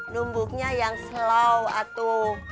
numbuknya yang slow atau